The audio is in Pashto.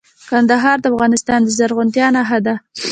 کندهار د افغانستان د زرغونتیا نښه ده.